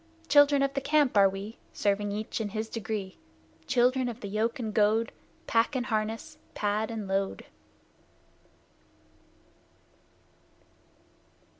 Children of the Camp are we, Serving each in his degree; Children of the yoke and goad, Pack and harness, pad and load!